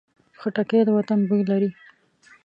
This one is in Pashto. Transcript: خټکی د وطن بوی لري.